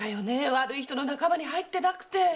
悪い人の仲間に入ってなくて。